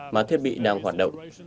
mà thiết bị đang hoạt động